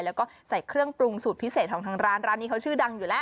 แล้วก็ใส่เครื่องปรุงสูตรพิเศษของทางร้านร้านนี้เขาชื่อดังอยู่แล้ว